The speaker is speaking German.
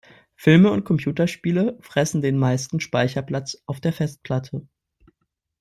Filme und Computerspiele fressen den meisten Speicherplatz auf der Festplatte.